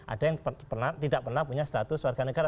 ada yang tidak pernah punya status warganegara